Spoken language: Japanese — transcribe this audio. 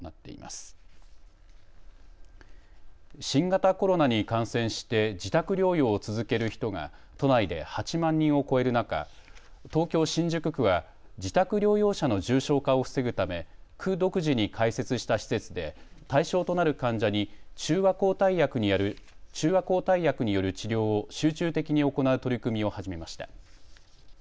新型コロナに感染して自宅療養を続ける人が都内で８万人を超える中東京新宿区は自宅療養者の重症化を防ぐため区独自に開設した施設で対象となる患者に中和抗体薬による治療を集中的に行う取り組みを始めました。